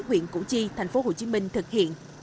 huyện củ chi tp hcm thực hiện